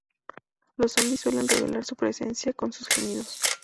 Los zombis suelen revelar su presencia con sus gemidos.